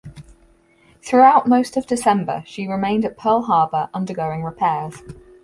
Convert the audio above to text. Throughout most of December, she remained at Pearl Harbor undergoing repairs.